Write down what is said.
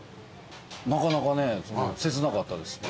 なかなかね切なかったですね。